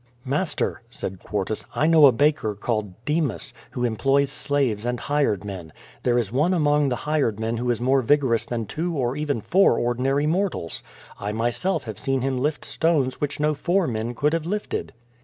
"Master," said Quartus, "I know a baker called Demas, who employs slaves and hired men. There is one among the hired men who is more vigorous than two or even four ordinary mortals. I myself have seen him lift stones which no four men could have lifted."